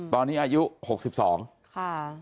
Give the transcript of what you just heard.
ตอนนี้อายุ๖๒ค่ะ